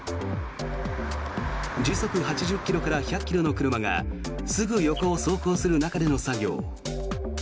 時速８０ｋｍから１００ｋｍの車がすぐ横を走行する中での作業。